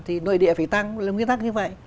thì nội địa phải tăng lên nguyên tắc như vậy